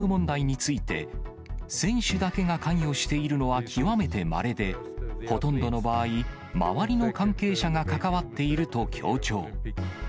ＩＯＣはドーピング問題について、選手だけが関与しているのは極めてまれで、ほとんどの場合、周りの関係者が関わっていると強調。